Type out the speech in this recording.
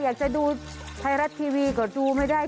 อยากจะดูไทยรัฐทีวีก็ดูไม่ได้